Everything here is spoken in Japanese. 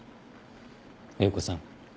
英子さん。